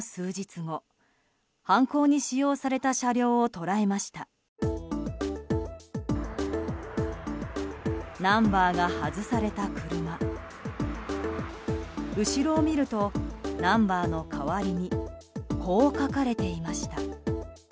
後ろを見るとナンバーの代わりにこう書かれていました。